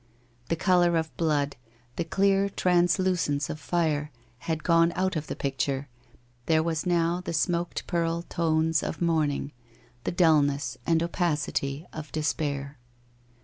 The colour of blood, the clear translucence of fire, had gone out of the picture, there was now the smoked pearl tones of morning, the dul ness and opacity of despair.